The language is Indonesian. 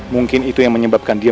mungkin itu yang menyebabkan dia